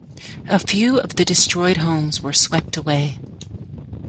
A few of the destroyed homes were swept away.